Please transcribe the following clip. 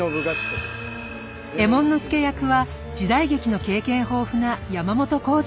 右衛門佐役は時代劇の経験豊富な山本耕史さん。